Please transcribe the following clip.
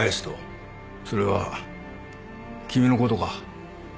それは君のことか？